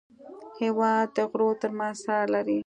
هېواد د غرو تر منځ ساه لري.